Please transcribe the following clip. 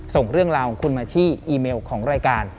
ส่งเรื่องราวของคุณมาที่อีเมลของรายการ